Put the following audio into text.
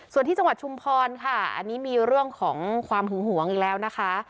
ส่วนที่จังหวัดชุมพรค่ะอันนี้มีเรื่องของความหึงหวงอีกแล้วนะคะ